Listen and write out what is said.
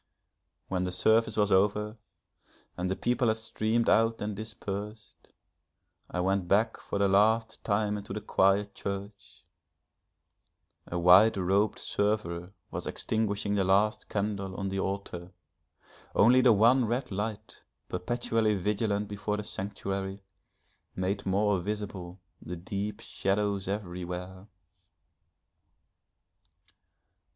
When the service was over and the people had streamed out and dispersed, I went back for the last time into the quiet church. A white robed server was extinguishing the last candle on the altar; only the one red light perpetually vigilant before the sanctuary, made more visible the deep shadows everywhere.